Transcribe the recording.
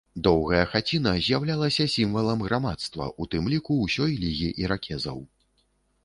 Доўгая хаціна з'яўлялася сімвалам грамадства, у тым ліку ўсёй лігі іракезаў.